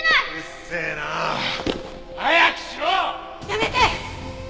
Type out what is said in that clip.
やめて！